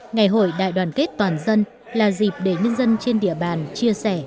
ngày hội đại đoàn kết toàn dân là dịp để nhân dân trên địa bàn chia sẻ